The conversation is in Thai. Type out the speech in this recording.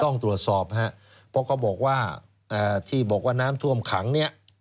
ต้องตรวจสอบครับเพราะเขาบอกว่าที่บอกว่าน้ำท่วมขังเนี่ย